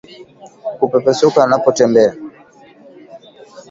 Kupepesuka anapotembea